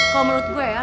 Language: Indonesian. kalo menurut gue ya